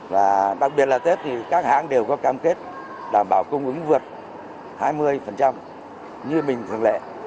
và đặc biệt là tết thì các hãng đều có cam kết đảm bảo cung ứng vượt hai mươi như mình thường lệ